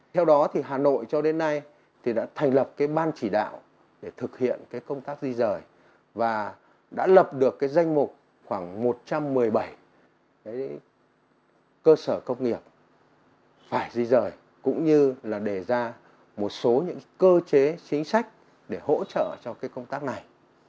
theo đó thì hà nội cho đến nay thì đã thành lập cái ban chỉ đạo để thực hiện cái công tác di rời và đã lập được cái danh mục khoảng một trăm một mươi bảy cơ sở công nghiệp phải di rời cũng như là để ra một số những cơ chế chính sách để hỗ trợ cho cái công tác này